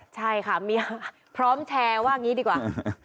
ใช่ค่ะพร้อมแชร์ว่าอย่างนี้ดีกว่า